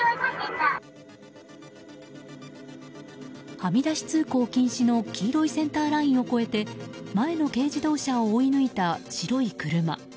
はみ出し通行禁止の黄色いセンターラインを越えて前の軽自動車を追い抜いた白い車。